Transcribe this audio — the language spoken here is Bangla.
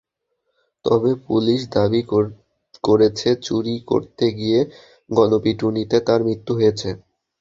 তবে পুলিশ দাবি করেছে, চুরি করতে গিয়ে গণপিটুনিতে তাঁর মৃত্যু হয়েছে।